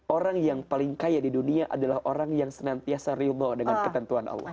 orang yang paling kaya di dunia adalah orang yang senantiasa rimau dengan ketentuan allah